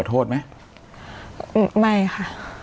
โทษไหมไม่ค่ะ